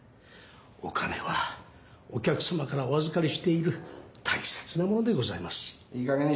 お金はお客さまからお預かりしている大切なものでございますし。